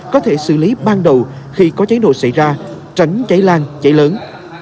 có thể xử lý ban đầu khi có cháy nổ xảy ra tránh cháy lan cháy lớn